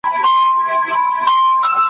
د ماڼوګاڼو له اختیاره تللې `